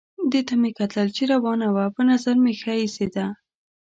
دې ته مې کتل چې روانه وه، په نظر مې ښه وه ایسېده.